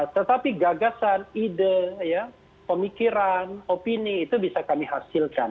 tetapi gagasan ide pemikiran opini itu bisa kami hasilkan